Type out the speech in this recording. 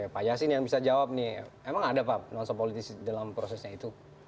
pak yasin yang bisa jawab nih emang ada pak nuansa politis dalam prosesnya itu